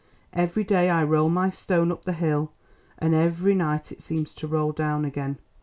Every day I roll my stone up the hill, and every night it seems to roll down again.